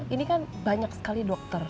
ini kan banyak sekali dokter